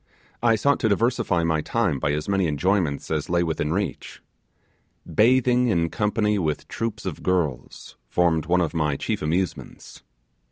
I sought to diversify my time by as many enjoyments as lay within my reach. Bathing in company with troops of girls formed one of my chief amusements.